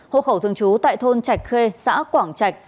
hộ khẩu thường trú tại thôn trạch khê xã quảng trạch